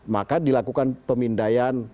maka dilakukan pemindaian